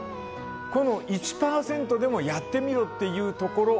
この１％でもやってみろって言うところ。